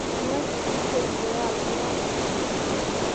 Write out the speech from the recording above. No existe video alguno del sencillo.